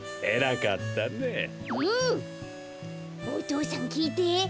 お父さんきいて！